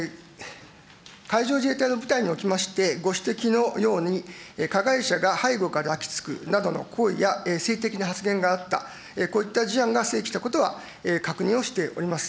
海上自衛隊の部隊におきまして、ご指摘のように、加害者が背後から抱きつくなどの行為や、性的な発言があった、こういった事案がしたことは確認をしております。